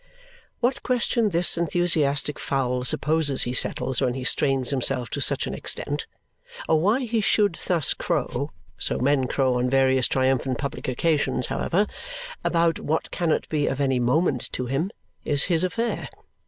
What question this enthusiastic fowl supposes he settles when he strains himself to such an extent, or why he should thus crow (so men crow on various triumphant public occasions, however) about what cannot be of any moment to him, is his affair.